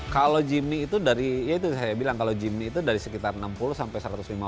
kalau jimny itu dari sekitar enam puluh sampai satu ratus lima puluh